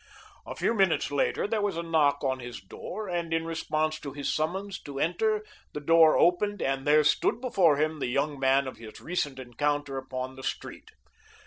A few minutes later there was a knock on his door, and in response to his summons to enter the door opened, and there stood before him the young man of his recent encounter upon the street.